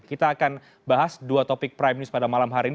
kita akan bahas dua topik prime news pada malam hari ini